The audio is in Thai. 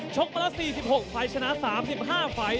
ชกมาละ๔๖ไฟชนะ๓๕ไฟ